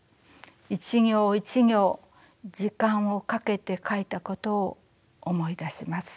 一行一行時間をかけて書いたことを思い出します。